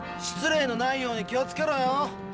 失礼のないように気をつけろよ。